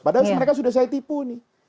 padahal mereka sudah saya tipu nih